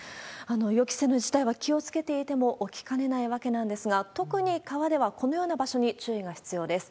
予期せぬ事態は気をつけていても起きかねないわけなんですが、特に川ではこのような場所に注意が必要です。